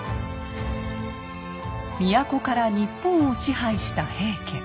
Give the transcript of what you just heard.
都から日本を支配した平家。